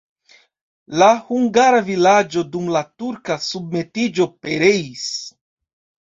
La hungara vilaĝo dum la turka submetiĝo pereis.